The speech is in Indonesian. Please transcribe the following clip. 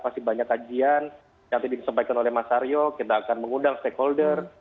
pasti banyak kajian yang tadi disampaikan oleh mas aryo kita akan mengundang stakeholder